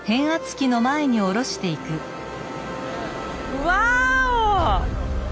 ウワーオ！